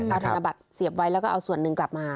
เอาธนบัตรเสียบไว้แล้วก็เอาส่วนหนึ่งกลับมา